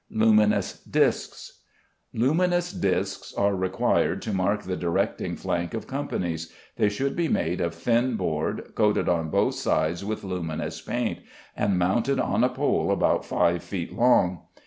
Luminous Discs. Luminous discs are required to mark the directing flank of companies; they should be made of thin board, coated on both sides with luminous paint, and mounted on a pole about 5 feet long.